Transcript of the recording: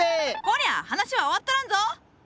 こりゃ話は終わっとらんぞ！